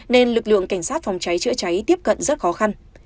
nên lực lượng cảnh sát phòng cháy chữa cháy tiếp cận rất khó khăn